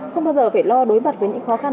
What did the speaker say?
không bao giờ phải lo đối mặt với những khó khăn